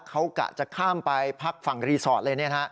เขากะจะข้ามไปพักฝั่งรีสอร์ทเลย